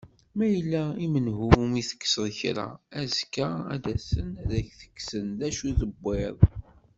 Ma yella i menhu umi tekseḍ kra, azekka ad d-asen ad ak-ksen d acu tewwiḍ.